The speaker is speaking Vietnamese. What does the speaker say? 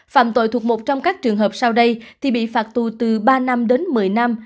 phạm tội thuộc một trong các trường hợp sau đây thì bị phạt tù từ ba năm đến một mươi năm